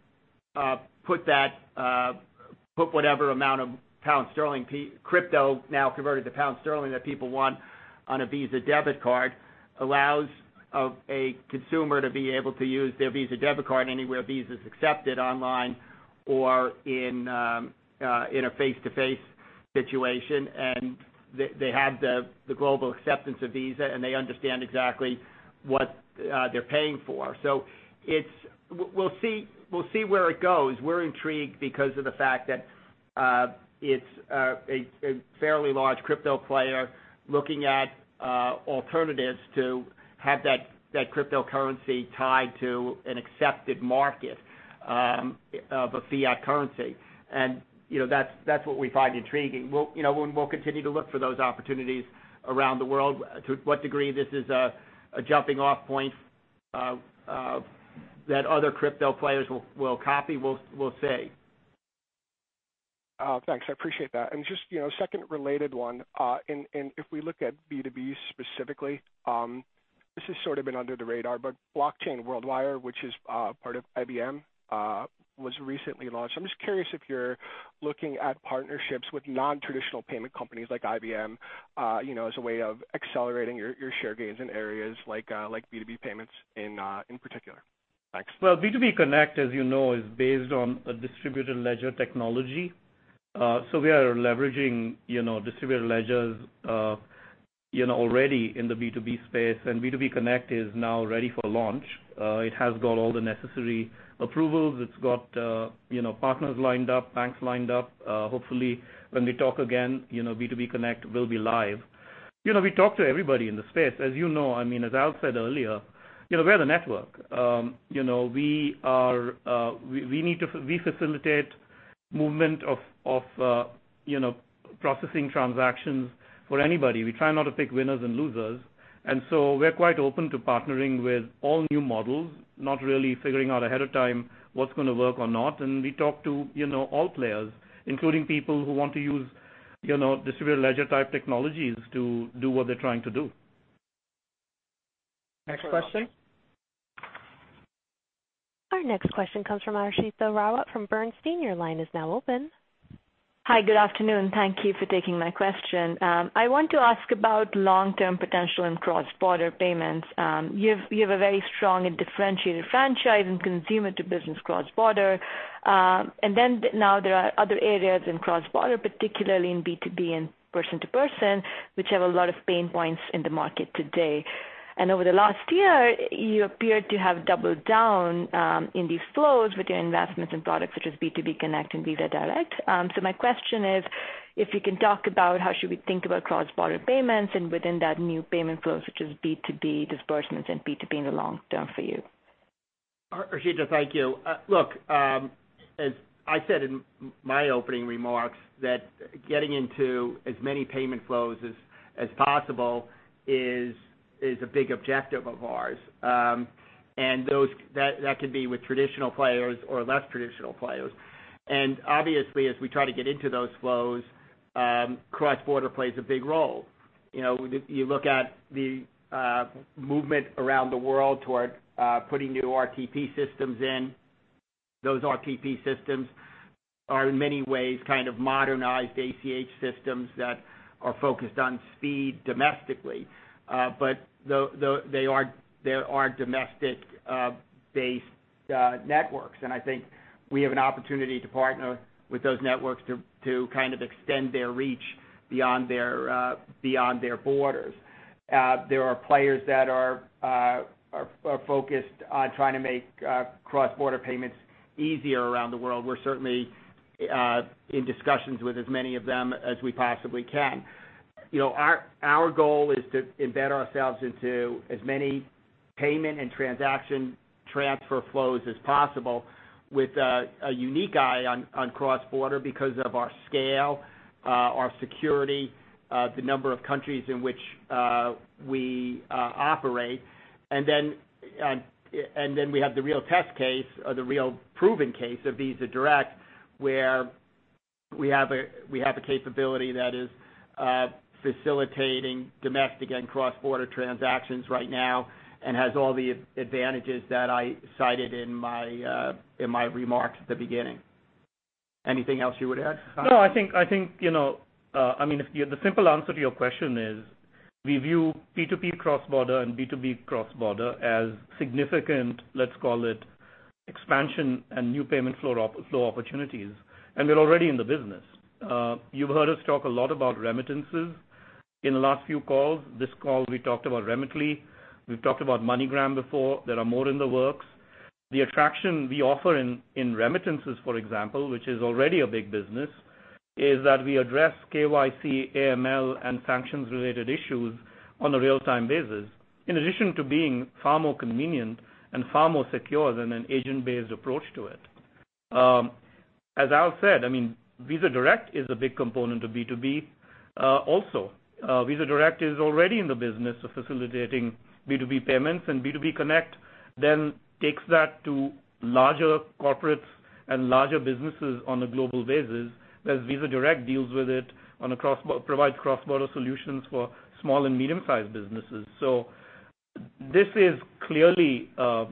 put whatever amount of crypto now converted to pound sterling that people want on a Visa Debit card allows a consumer to be able to use their Visa Debit card anywhere Visa's accepted online or in a face-to-face situation. They have the global acceptance of Visa, and they understand exactly what they're paying for. We'll see where it goes. We're intrigued because of the fact that it's a fairly large crypto player looking at alternatives to have that cryptocurrency tied to an accepted market of a fiat currency. That's what we find intriguing. We'll continue to look for those opportunities around the world. To what degree this is a jumping-off point that other crypto players will copy, we'll see. Thanks, I appreciate that. Just second related one, if we look at B2B specifically, this has sort of been under the radar, but Blockchain World Wire, which is part of IBM, was recently launched. I'm just curious if you're looking at partnerships with non-traditional payment companies like IBM as a way of accelerating your share gains in areas like B2B payments in particular. Thanks. Well, B2B Connect, as you know, is based on a distributed ledger technology. We are leveraging distributed ledgers already in the B2B space, and B2B Connect is now ready for launch. It has got all the necessary approvals. It's got partners lined up, banks lined up. Hopefully when we talk again, B2B Connect will be live. We talk to everybody in the space. As you know, as Al said earlier, we're the network. We facilitate movement of processing transactions for anybody. We try not to pick winners and losers. We're quite open to partnering with all new models, not really figuring out ahead of time what's going to work or not. We talk to all players, including people who want to use distributed ledger type technologies to do what they're trying to do. Next question. Our next question comes from Harshita Rawat from Bernstein. Your line is now open. Hi. Good afternoon. Thank you for taking my question. I want to ask about long-term potential in cross-border payments. You have a very strong and differentiated franchise in consumer to business cross-border. Then now there are other areas in cross-border, particularly in B2B and person to person, which have a lot of pain points in the market today. Over the last year, you appear to have doubled down in these flows with your investments in products such as B2B Connect and Visa Direct. My question is, if you can talk about how should we think about cross-border payments and within that new payment flows, such as B2B disbursements and B2B in the long term for you. Harshita, thank you. Look, as I said in my opening remarks, that getting into as many payment flows as possible is a big objective of ours. That could be with traditional players or less traditional players. Obviously, as we try to get into those flows, cross-border plays a big role. You look at the movement around the world toward putting new RTP systems in. Those RTP systems are in many ways kind of modernized ACH systems that are focused on speed domestically. They are domestic-based networks, and I think we have an opportunity to partner with those networks to kind of extend their reach beyond their borders. There are players that are focused on trying to make cross-border payments easier around the world. We're certainly in discussions with as many of them as we possibly can. Our goal is to embed ourselves into as many payment and transaction transfer flows as possible with a unique eye on cross-border because of our scale, our security, the number of countries in which we operate. We have the real test case or the real proven case of Visa Direct, where we have a capability that is facilitating domestic and cross-border transactions right now and has all the advantages that I cited in my remarks at the beginning. Anything else you would add, Vasant? No, I think the simple answer to your question is, we view P2P cross-border and B2B cross-border as significant, let's call it expansion and new payment flow opportunities. We're already in the business. You've heard us talk a lot about remittances in the last few calls. This call, we talked about Remitly. We've talked about MoneyGram before. There are more in the works. The attraction we offer in remittances, for example, which is already a big business, is that we address KYC, AML, and sanctions-related issues on a real-time basis, in addition to being far more convenient and far more secure than an agent-based approach to it. As Al said, Visa Direct is a big component of B2B also. Visa Direct is already in the business of facilitating B2B payments, and B2B Connect then takes that to larger corporates and larger businesses on a global basis, whereas Visa Direct deals with it, provides cross-border solutions for small and medium-sized businesses. This is clearly a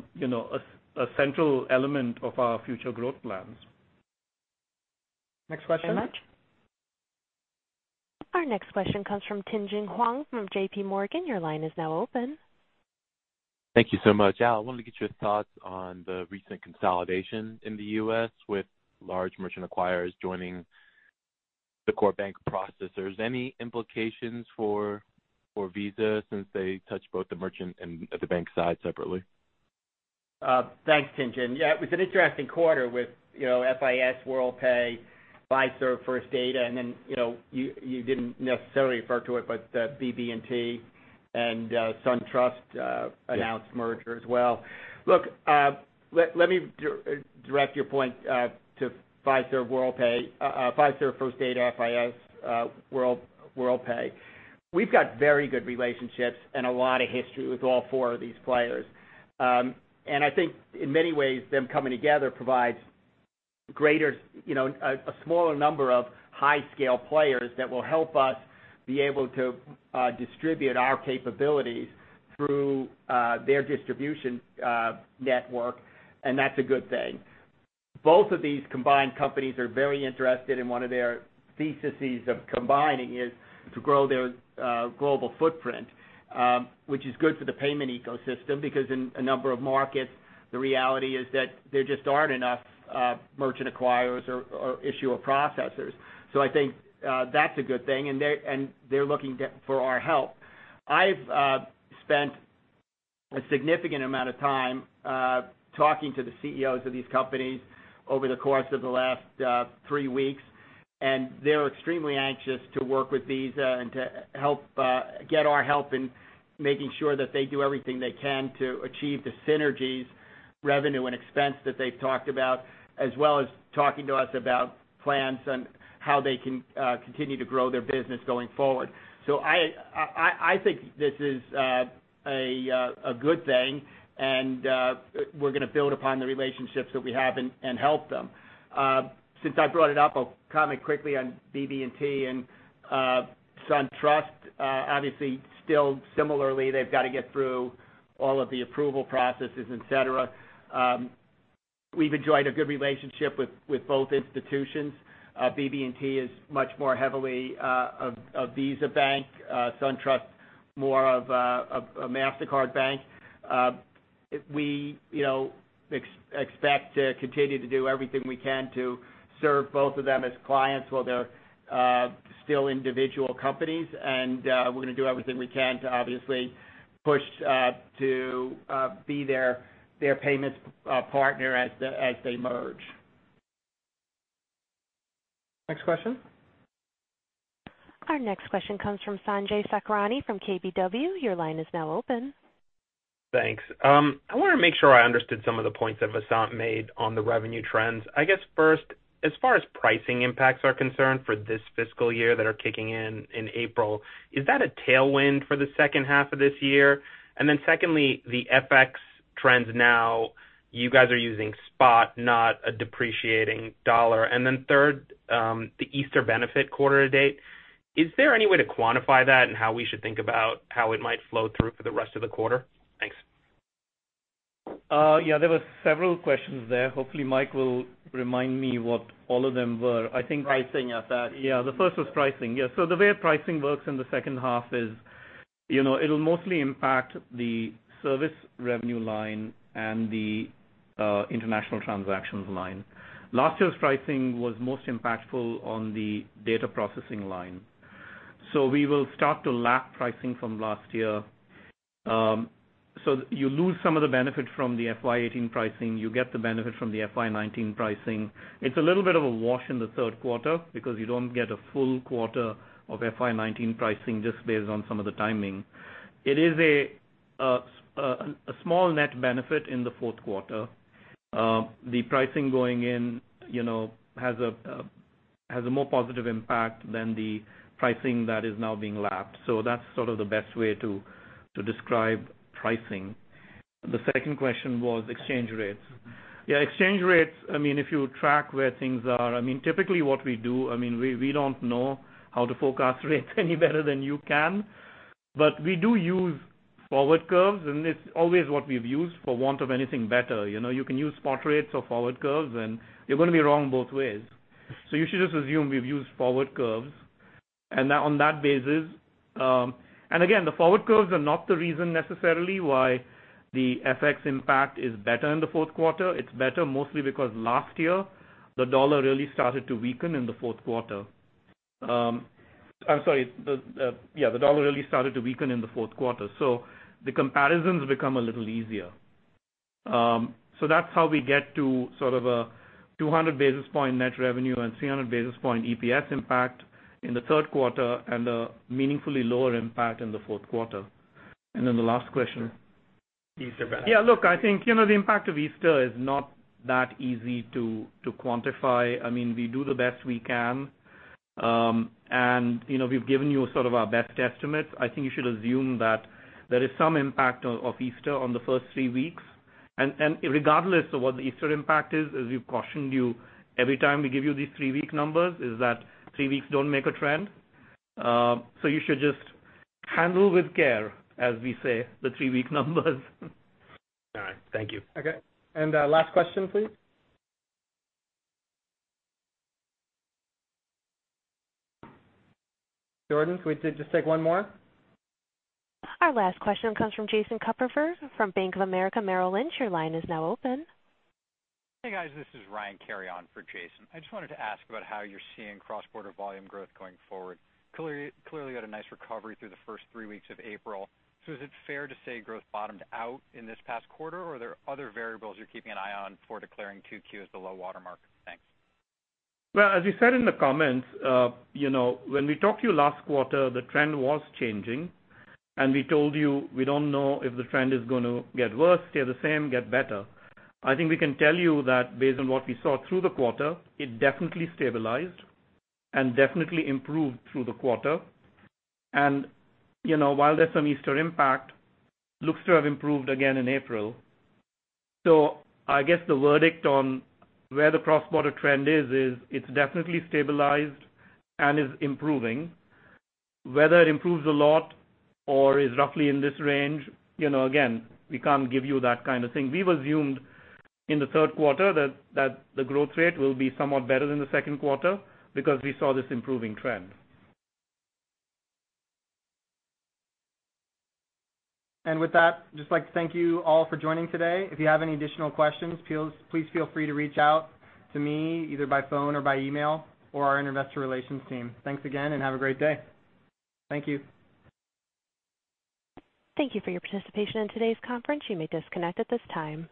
central element of our future growth plans. Next question. Thank you very much. Our next question comes from Tien-Tsin Huang from J.P. Morgan Chase. Your line is now open. Thank you so much. Al, I wanted to get your thoughts on the recent consolidation in the U.S. with large merchant acquirers joining the core bank processors. Any implications for Visa since they touch both the merchant and the bank side separately? Thanks, Tien-Tsin. Yeah, it was an interesting quarter with FIS Worldpay, Fiserv First Data, and then you didn't necessarily refer to it, but BB&T and SunTrust announced a merger as well. Look, let me direct your point to Fiserv First Data, FIS Worldpay. We've got very good relationships and a lot of history with all four of these players. I think in many ways, them coming together provides greater, a smaller number of high-scale players that will help us be able to distribute our capabilities through their distribution network, and that's a good thing. Both of these combined companies are very interested in one of their theses of combining is to grow their global footprint, which is good for the payment ecosystem, because in a number of markets, the reality is that there just aren't enough merchant acquirers or issuer processors. I think that's a good thing, and they're looking for our help. I've spent a significant amount of time talking to the CEOs of these companies over the course of the last three weeks, and they're extremely anxious to work with Visa and to get our help in making sure that they do everything they can to achieve the synergies, revenue, and expense that they've talked about, as well as talking to us about plans and how they can continue to grow their business going forward. I think this is a good thing, and we're going to build upon the relationships that we have and help them. Since I brought it up, I'll comment quickly on BB&T and SunTrust. Obviously, still similarly, they've got to get through all of the approval processes, et cetera. We've enjoyed a good relationship with both institutions. BB&T is much more heavily a Visa bank, SunTrust more of a Mastercard bank. We expect to continue to do everything we can to serve both of them as clients while they're still individual companies. We're going to do everything we can to obviously push to be their payments partner as they merge. Next question. Our next question comes from Sanjay Sakhrani from KBW. Your line is now open. Thanks. I want to make sure I understood some of the points that Vasant made on the revenue trends. I guess first, as far as pricing impacts are concerned for this fiscal year that are kicking in in April, is that a tailwind for the second half of this year? Secondly, the FX trends now, you guys are using spot, not a depreciating dollar. Third, the Easter benefit quarter to date. Is there any way to quantify that and how we should think about how it might flow through for the rest of the quarter? Thanks. There were several questions there. Hopefully Mike will remind me what all of them were. Pricing et al. The first was pricing. The way pricing works in the second half is it'll mostly impact the service revenue line and the international transactions line. Last year's pricing was most impactful on the data processing line. We will start to lap pricing from last year. You lose some of the benefit from the FY 2018 pricing. You get the benefit from the FY 2019 pricing. It's a little bit of a wash in the third quarter because you don't get a full quarter of FY 2019 pricing just based on some of the timing. It is a small net benefit in the fourth quarter. The pricing going in has a more positive impact than the pricing that is now being lapped. That's sort of the best way to describe pricing. The second question was exchange rates. Exchange rates, if you track where things are, typically what we do, we don't know how to forecast rates any better than you can. We do use forward curves, and it's always what we've used for want of anything better. You can use spot rates or forward curves, and you're going to be wrong both ways. You should just assume we've used forward curves. On that basis, and again, the forward curves are not the reason necessarily why the FX impact is better in the fourth quarter. It's better mostly because last year, the dollar really started to weaken in the fourth quarter. I'm sorry. The dollar really started to weaken in the fourth quarter. The comparisons become a little easier. That's how we get to sort of a 200 basis point net revenue and 300 basis point EPS impact in the third quarter and a meaningfully lower impact in the fourth quarter. Then the last question. Easter benefit. I think the impact of Easter is not that easy to quantify. We do the best we can. We've given you sort of our best estimates. I think you should assume that there is some impact of Easter on the first three weeks. Regardless of what the Easter impact is, as we've cautioned you every time we give you these three-week numbers, is that three weeks don't make a trend. You should just handle with care, as we say, the three-week numbers. All right. Thank you. Okay. Last question, please. Jordan, could we just take one more? Our last question comes from Jason Kupferberg from Bank of America Merrill Lynch. Your line is now open. Hey, guys. This is Ryan Cary for Jason. I just wanted to ask about how you're seeing cross-border volume growth going forward. Clearly had a nice recovery through the first three weeks of April. Is it fair to say growth bottomed out in this past quarter, or are there other variables you're keeping an eye on for declaring 2Q as the low water mark? Thanks. Well, as we said in the comments, when we talked to you last quarter, the trend was changing, we told you we don't know if the trend is going to get worse, stay the same, get better. I think we can tell you that based on what we saw through the quarter, it definitely stabilized and definitely improved through the quarter. While there's some Easter impact, looks to have improved again in April. I guess the verdict on where the cross-border trend is it's definitely stabilized and is improving. Whether it improves a lot or is roughly in this range, again, we can't give you that kind of thing. We've assumed in the third quarter that the growth rate will be somewhat better than the second quarter because we saw this improving trend. With that, just like to thank you all for joining today. If you have any additional questions, please feel free to reach out to me either by phone or by email or our investor relations team. Thanks again and have a great day. Thank you. Thank you for your participation in today's conference. You may disconnect at this time.